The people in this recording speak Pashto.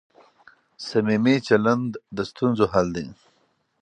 صمیمي چلند د ستونزو حل دی.